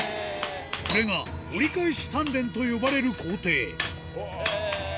これが「折り返し鍛錬」と呼ばれる工程へぇ！